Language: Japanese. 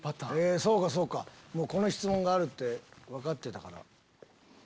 そうかこの質問があるって分かってたから。